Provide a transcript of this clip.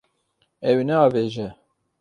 Ew ê neavêje.